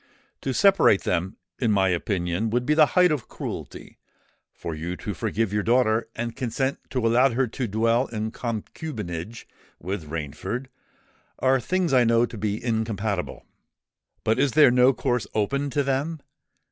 To separate them, in my opinion, would be the height of cruelty: for you to forgive your daughter and consent to allow her to dwell in concubinage with Rainford, are things I know to be incompatible. But is there no course open to them?